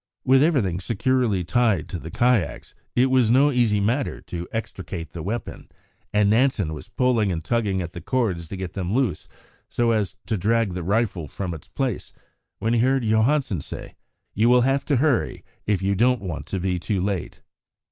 With everything securely tied to the kayaks, it was no easy matter to extricate the weapon, and Nansen was pulling and tugging at the cords to get them loose, so as to drag the rifle from its place, when he heard Johansen say, "You will have to hurry if you don't want to be too late."